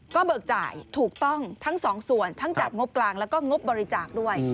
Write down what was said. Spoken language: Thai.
ก็เบิกจ่ายถูกต้องทั้งสองส่วนทั้งจากงบกลางแล้วก็งบบริจาคด้วย